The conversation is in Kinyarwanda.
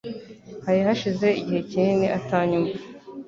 Hari hashize igihe kinini atanyumva.